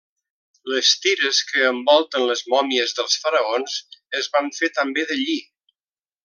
Les tires que envolten les mòmies dels faraons es van fer també de lli.